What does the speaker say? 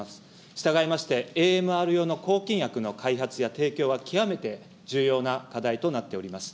従いまして、ＡＭＲ用の抗菌薬の開発や提供は極めて重要な課題となっております。